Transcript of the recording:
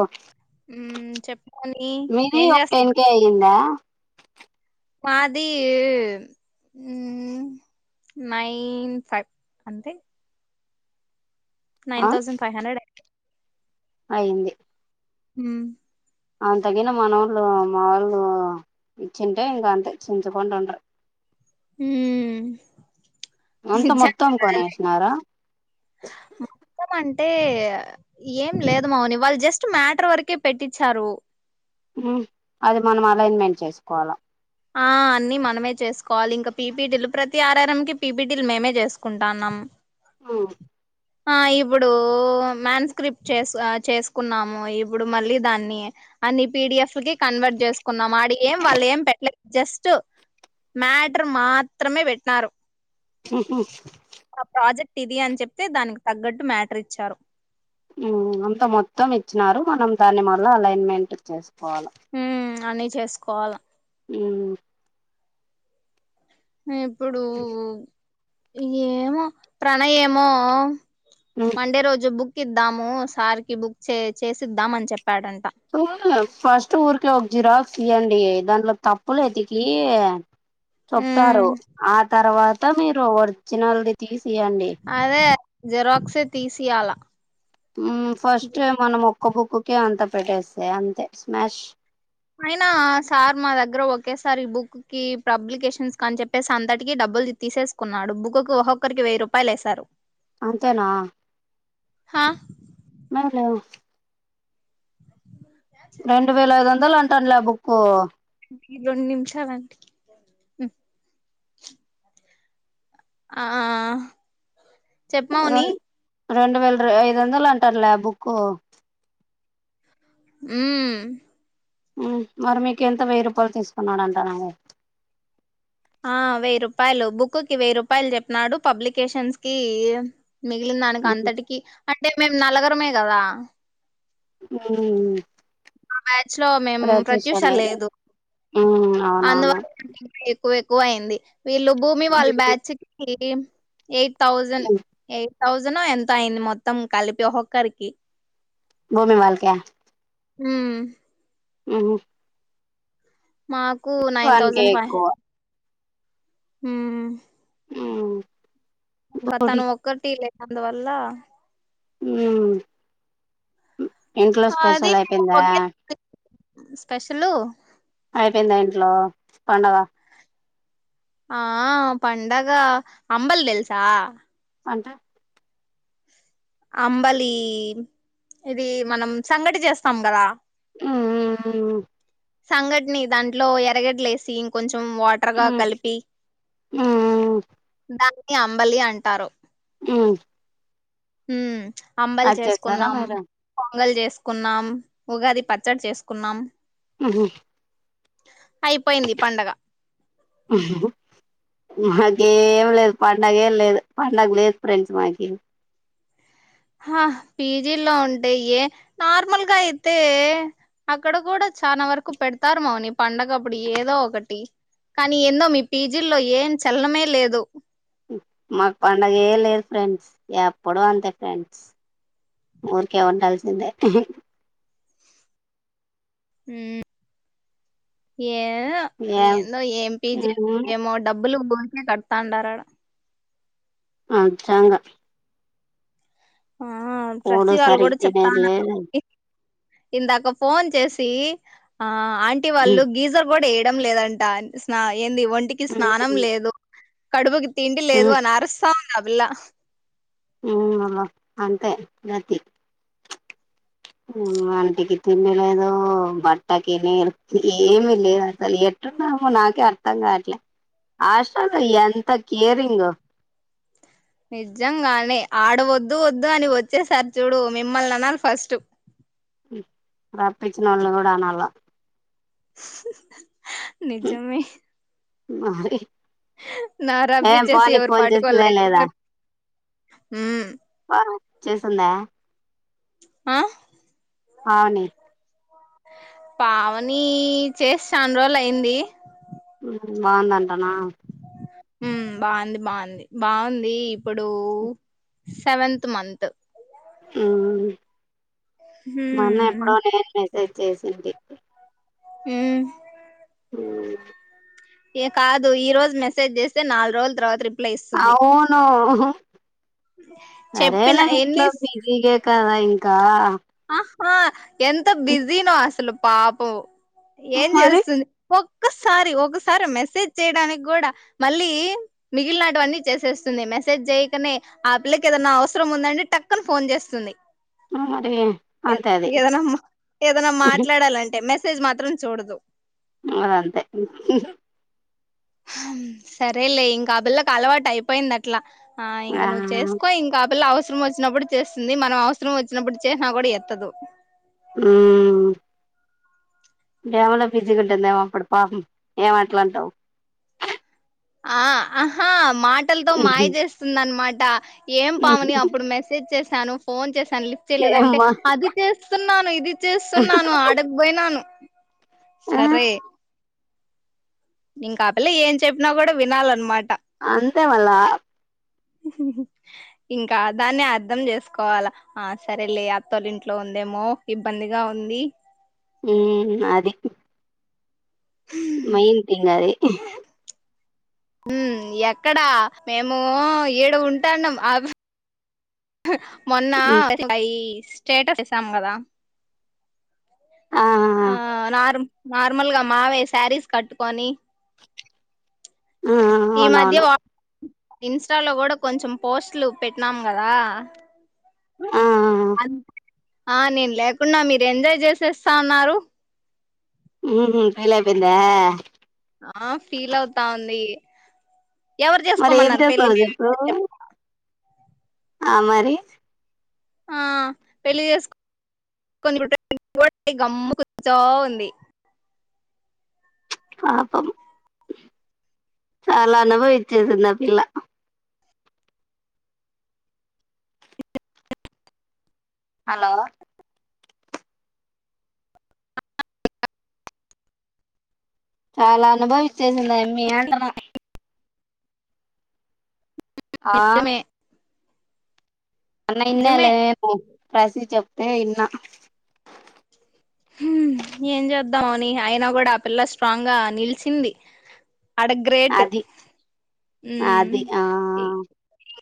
Okay మ్ చెప్పాలి ఎం ఒక చెస్ టెన్ కే అయ్యిందా మాదీ మ్మ్ నైన్ త అంతే నైన్ థౌసండ్ ఫైవ్ హండ్రెడ్ అయింది మ్ ఆమె తగ్గిన మనోళ్లు మా ఒళ్లు ఇచ్చింటె ఇంక అంతే చించకుంటుడ్రు హుమ్ అంత మొత్తం కొనేశినారా మొత్తం అంటే ఏం లేదు మౌని వాళ్ జస్ట్ మ్యాటర్ వరకే పెట్టించారు మ్ అది మనం అలైన్మెంట్ చేసుకొవల ఆ అన్ని మనమే చేసుకొలి ఇంక పిపిటీలు ప్రతి ఆరరంకి పిపిటీలు మేమే చేసుకుంటాన్నం ఆ ఆ ఇప్పుడూ మ్యాన్ స్క్రిప్ట్ చేస్ ఆ చేసుకున్నాము ఇప్పుడు మళ్ళి దాన్ని అన్ని పిడిఎఫ్ కి కన్వర్ట్ చేసుకున్నం ఆడి ఏం వాళ్ ఏం పెట్లే జస్ట్ మ్యాటర్ మాత్రమే పెట్న్న రు మ్ హు మా ప్రాజెక్ట్ ఇది అని చెప్తే దానికి తగ్గట్టు మ్యాటర్ ఇచ్చారు మ్ అంత మొత్తం ఇచ్చినారు మనం దాన్ని మళ్ళా అలైన్మెంట్ చేసుకొవల చేసుకొవల మ్ ఇప్పుడూ ఏమో ప్రలయమో ఉమ్ మండే రోజు బుక్ ఇద్దాము సార్ కి బుక్ చే చేసిద్దాం అని చెప్ ఫస్ట్ ఊర్కె ఒ జిరాక్స్ ఇయ్యండ్ ఈ దాంట్లొ తప్పుల్ ఎతికీ ఉమ్ చెప్తారు ఆ తర్వా త మీరు ఓర్జినల్ ది తీస్ అదే జెరాక్సే తీసియాల మ్ ఫస్టే మనం ఒక్క బుక్కుకే అంత పెట్టేస్తే అంతే స్మాష్ అయినా ఆ సార్ మా దగ్గర ఒకేసారి ఈ బుక్ కి పబ్లికేషన్స్ కాని చెప్పేసి అంతటికీ డబ్ డబ్బులు తీసేసుకున్నాడు. బుక్కుకు ఒక్కొక్కరికి వెయ్యి రూపాయలు వేసారు. అంతేనా హ అలో రెండు వేల ఐదు వందలు అంటాన్లే ఆ బుక్కు రెండు నిమిషాలండి ఆ చెప్పు మౌని రెం రెండు వేల ఐదు వందలు అంటాన్లే ఆ బుక్కు ఉమ్ ఉమ్ మరి మీకు ఎంత వెయ్యి రూపాయలు తీసుకున్నాడంటన ఆ వెయ్యి రూపాయలు బుక్కుకి వెయ్యి రూపాయలు చెప్పినాడు పబ్లికేషన్స్ కి మిగిలిందానికి అంతటికి అంటే మేం నలగరమే కదా ఉమ్ మా బ్యాచ్ లో మేం ప్రత్యూష లేదు మ్మ్ అవునవును అందువల్ల ఎక్కువ ఎక్కువ అయింది. వీళ్ళు భూమి వాళ్ళ బ్యాచ్ కి ఎయిట్ థౌజండ్ మ్మ్ ఎ థౌసండో ఎంతో అయింది మొత్తం కలిపి ఒక్కక్కరికి భూమి వాళ్ళక హుమ్మ్ ఉహు మాకు నైన్ థౌజండ్ ఫైవ్ ఎక్కువ హండ్రె ఉమ్ హు ఇంకా తను ఒక్కటి లేనందువల్ల ఉమ్ ఇంట్లో స్పెషల్ అయిపోయిందా స్పెషలూ అయిపోయిందా ఇంట్లో పండగ ఆ పండగ అంబల్ తెల్సా అంటే అంబలి ఇది మనం సంగటి చేస్తాం కదా. ఊ మ్ సంఘటిని దాంట్లో ఎరగడ్డలేసి ఇంకొంచం వాటర్గా కలిపి ఉహ దాన్ని అంబలి అంటారు. హు హుమ్ అంబలి చేసుకున్నాం మీరు పొంగల్ చేసుకున్నాం. ఉగాది పచ్చడి చేసుకున్నా ఉహు అయిపోయింది పండగ మాకే ఏం లేదు. పండగ ఏం లేదు. పండగ లేదు ఫ్రెండ్స్ మాకి హా పీజీలో ఉంటే ఏ నార్మల్గా అయితే అక్కడ కూడా చాలా వరకు పెడుతారు మౌని పండగప్పుడు ఏదో ఒకటి కానీ ఎన్నో మీ పీజీల్లో ఏం చల్లనే లేదు హుమ్ మాకు పండగే లేదు ఫ్రెండ్స్ ఎప్పుడు అంతే ఫ్రెండ్స్ ఊరికే ఉండాల్సిందే హుమ్ ఏదో ఏం ఏందో ఎం పిజి ఉమ్ ఏమో డబ్ బ్బులు ఊరికే కడుతాండరాడ అ చాంగా ఆ కూడు ఫ్రతీ వాళ్ళు సరిగ్ కూడా తినేది చెప్తాన్నారు లేదు ఇందాక ఫోన్ చేసి ఆ ఆంటీ వాళ్ళు ఉమ్ గీజర్ కూడా ఏ లేదంట స్నా ఏంది ఒంటికి స్నానం లేదు కడుపుకి తిండి లేదు ఉమ్ అని అరుస్తా ఉంద ఆ పిల్లా ఉ మళ్ల అంతే గతి హు మ్ ఒంటికి తిండిలేదు బట్టకి నిడ్ ఏమిలేదసలు ఎ టున్నో ఏమో నాకే అర్థం కావట్లే హాస్టల్లో ఎంత కేరింగ్ నిజంగానే ఆడ వద్దు వద్దు అని వచ్చేసారు చూడు మిమ్మల్ని అనాలి ఫస్ట్ హు మ్ రప్పించ్చినొళ్ళను కూడ అనాల నిజమే మారి నా రబ్బిచ్చేసి ఫోన్ ఎవరిపాటికీ చేసిందా లేదా వాళ్ళైపోయినారు హుమ్ ఆ చేసిందా ఆ పావని పావని చేసి చాన్ రోలైయింది బాగుందంటనా హుమ్ బాగుంది బాగుంది బాగుంది ఇప్పుడూ సెవెంత్ మంత్ హు మ్ మొన్న మ్మ్ ఎప్పుడో నేను మెసేజ్ చేసింటి హు మ్ హుమ్ ఏ కాదు ఈ రోజు మెసేజ్ చేస్తే నాలుగు రోజుల తర్వాత రి అవునూ చెప్పిన సరేలే ఎన్ని ఇంట్లో బిజీగే కదా ఇంకా ఆహా ఎంత బిజినో అసలు పాపం ఏం మరి చేస్తుంది ఒక్ క్కసారి ఒకసారి మెసేజ్ చేయడానికి కూడా మళ్ళీ మిగిలినటువన్నీ చేసేస్తుంది మెస్ సేజ్ చేయకనే ఆ పిల్లకేదన్నా అవసరం ఉందంటే టక్కున ఫోన్ చేస్తుంది ఆ ఏద్ ఏదన్నా ఏదన్న అది మాట్లాడాలంటే మెసేజ్ మాత్రం చూడదు అదంతే మ్ హు హమ్ సరేలే ఇంకా ఆ పిల్లకలవాటైపోయింది అట్లా ఆ ఇంకా నువ్వు చేసుకో ఇంకా ఆ పిల్ల అవ్ వసరం వచ్చినప్పుడు చేస్తుంది మనం అవసరం వచ్చినప్పుడు చేసినా కూడా ఎత్తదు ఆ డేమలో బిజిగా ఉంటుందేమో అప్పుడు పాపం ఏమట్లాంటవు ఆ ఆహా మాటలతో మాయ చేస్తుందన్నమాటా ఏం పావని అప్పుడు మెసేజ్ చేశాను ఫోన్ చేస్ సాన్ లిఫ్ట్ చేయలేదంటే ఏమ్మా అది చేస్తున్నాను ఇది చేస్తున్నాను ఆడక్ పోయినాను ఆ సరే ఇంకా ఆ పిల్ల ఏం చెప్పినా కూడా వినాలన్నమాట అంతే మళ్లా ఉమ్ హ్ హ్ ఇంకా దాన్నే అర్ధం చేసుకోవాల ఆ సరేలే అత్తోలింట్లో ఉం దెమో ఇబ్బందిగా ఉంది ఉమ్ అది మెయిన్ తింగ్ అది హ్ మ్ ఎక్కడా మేము ఈడ ఉంటాన్నం అ మొన్న మ్మ్. పై స్టేట్ ఆఫ్ చేసాం కదా ఆ నార్ నార్మల్గా మావే శారీస్ కట్టుకొని ఆ ఈ మధ్య అవునవును వా ఇన్స్టాలో కూడా కొంచెం పోస్ట్లు పెట్టినాం కదా ఆ ఆ నేను లేకున్నా మీరు ఎంజాయ్ చేసేస్తా అన్నారు. ఉహు తల్లయిపోయిందా ఆ ఫీల్ అవుతాంది ఎవరు మరి ఏం చేసుకోమన్నారు పెళ్ళి చేస్తావు మే చెప్పు చెప్పన ఆ మరి ఆ పెళ్లి చేసుకో కొ గమ్ము కుర్చో ఉంది పాపం చాలా అనుభవించేసింది ఆ పిల్ల హలో చాలా అనుభవిచ్చేసింది అమ్మీ అంటనా ఆ నిజమే అన్న నిజమే ఇన్నలే పరిస్థితి చెప్తే ఇన్నా హు ఏం చేద్దాం అని అయినా కూడా ఆ పిల్ల స్ట్రాంగ్గా నిలిచింది. అడ గ్రేట్ అది ఉ అది ఇ ఆ